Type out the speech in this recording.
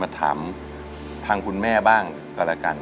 ถามทางคุณแม่บ้างก็แล้วกัน